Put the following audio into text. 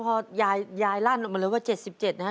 พอยายลั่นออกมาเลยว่า๗๗นะฮะ